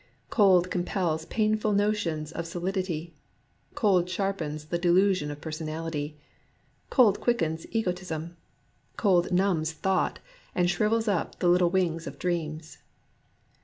Cold compels painful notions of solidity ; cold sharpens the delusion of personality; cold quickens ego tism ; cold numbs thought, and shrivels up the little wings of dreams.